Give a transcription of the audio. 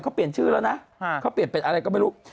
เขาเปลี่ยนชื่อแล้วนะเขาเปลี่ยนเป็นอะไรก็ไม่รู้